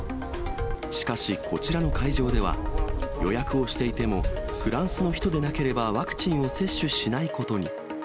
しかし、こちらの会場では、予約をしていても、フランスの人でなければワクチンを接種しないことに。